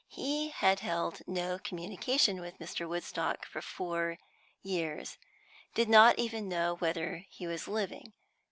He had held no communication with Mr. Woodstock for four years; did not even know whether he was living.